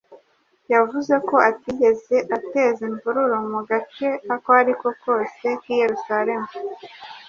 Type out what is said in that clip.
Yavuze ko atigeze ateza imvururu mu gace ako ari ko kose k’i Yerusalemu